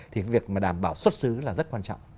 thì việc mà đảm bảo xuất xứ là rất quan trọng